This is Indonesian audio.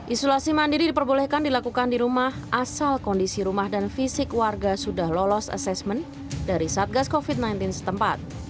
isolasi mandiri diperbolehkan dilakukan di rumah asal kondisi rumah dan fisik warga sudah lolos asesmen dari satgas covid sembilan belas setempat